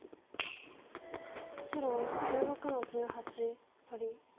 白１６の十八取り。